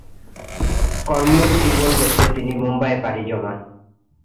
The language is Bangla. কর্মজীবন গড়তে তিনি মুম্বাইয়ে পাড়ি জমান।